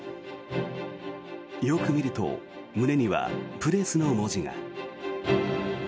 よく見ると胸には「ＰＲＥＳＳ」の文字が。